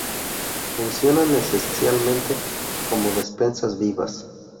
Funcionan esencialmente como despensas vivas.